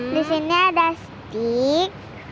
disini ada stick